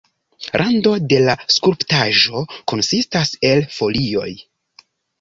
Rando de la skulptaĵo konsistas el folioj.